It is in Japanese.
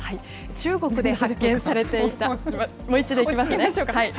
中国で発見されていた、もう一度いきますね。